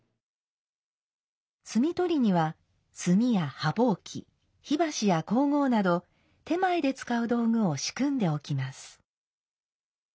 炭斗には炭や羽箒火箸や香合など手前で使う道具を仕組んでおきます。